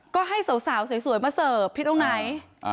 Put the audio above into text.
ก็ให้สาวสวยมาเสิร์ฟผิดตรงไหน